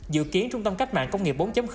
dự kiến trung tâm cách mạng công nghiệp bốn